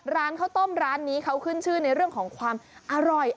ร้านข้าวต้มร้านนี้เขาขึ้นชื่อในเรื่องของความอร่อย